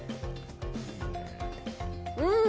うん！